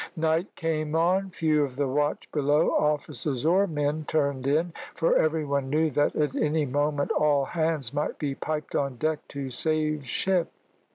Night came on. Few of the watch below officers or men turned in, for every one knew that at any moment all hands might be piped on deck to save ship.